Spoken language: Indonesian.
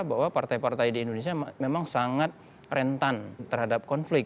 bahwa partai partai di indonesia memang sangat rentan terhadap konflik